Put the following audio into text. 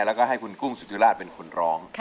แล้วก็ให้คุณกุ้งสุธิราชเป็นคนร้อง